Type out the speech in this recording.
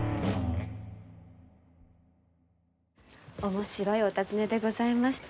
面白いお尋ねでございました。